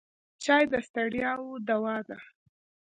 چای د ستړیاوو دوا ده.